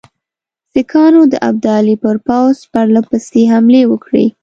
سیکهانو د ابدالي پر پوځ پرله پسې حملې وکړې.